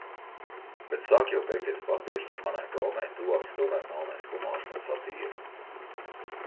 Bet sāk jau beigties papīrs, un manai gaumei tuvāks tomēr melnais humors un satīra.